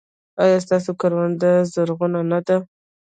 ایا ستاسو کرونده زرغونه نه ده؟